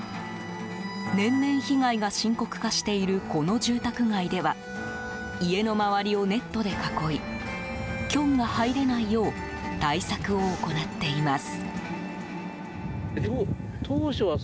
年々、被害が深刻化しているこの住宅街では家の周りをネットで囲いキョンが入れないよう対策を行っています。